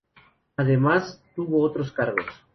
Además tuvo otros cargos.